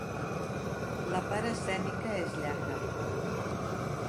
La part escènica és llarga.